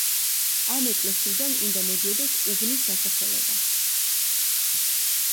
ამ ეკლესიიდან უნდა მოდიოდეს უბნის დასახელება.